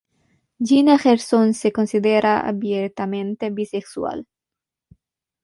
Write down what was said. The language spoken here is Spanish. Gina Gerson se considera abiertamente bisexual.